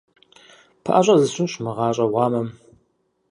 ПэӀэщӀэ зысщӀынщ мы гъащӀэ гъуамэм.